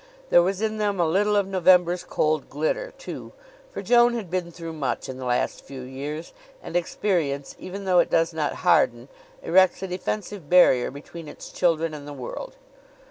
There was in them a little of November's cold glitter, too, for Joan had been through much in the last few years; and experience, even though it does not harden, erects a defensive barrier between its children and the world.